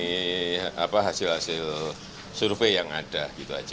dari hasil hasil survei yang ada gitu aja